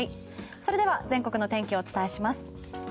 それでは全国の天気をお伝えします。